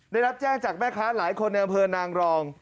ได้รับแจ้งจากแม่ค้าหลายคนในอำเภอนางรอง